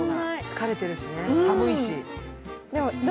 疲れてるし、寒いし。